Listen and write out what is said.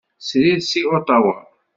Srid seg Otawa.